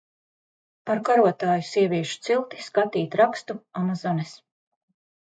Par karotāju sieviešu cilti skatīt rakstu Amazones.